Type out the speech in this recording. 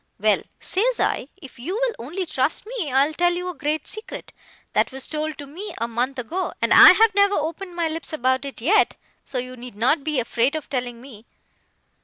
Well, says I, if you will only trust me, I will tell you a great secret, that was told me a month ago, and I have never opened my lips about it yet—so you need not be afraid of telling me.